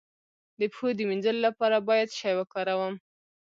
د پښو د مینځلو لپاره باید څه شی وکاروم؟